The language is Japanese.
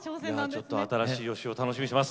新しい芳雄を楽しみにしてます。